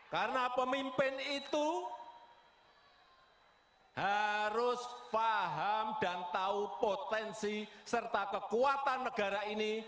karena pemimpin itu harus paham dan tahu potensi serta kekuatan negara ini